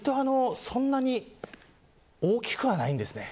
わりとそんなに大きくはないんですね。